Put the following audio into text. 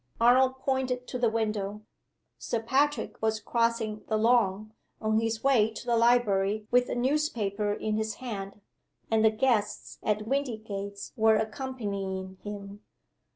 Arnold pointed to the window. Sir Patrick was crossing the lawn, on his way to the library with a newspaper in his hand; and the guests at Windygates were accompanying him.